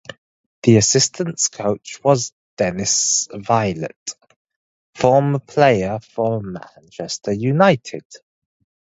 The assistant coach was Dennis Viollet, former player for Manchester United.